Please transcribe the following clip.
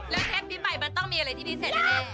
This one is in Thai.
แล้วเทปปีใหม่มันต้องมีอะไรที่ดีเสร็จด้วย